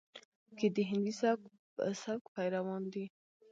کې د هندي سبک پېروان دي،